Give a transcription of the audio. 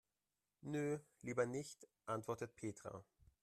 Nö, lieber nicht, antwortet Petra.